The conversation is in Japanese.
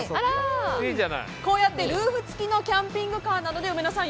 こうやってルーフ付きのキャンピングカーなのでうめのさん